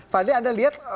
fadli anda lihat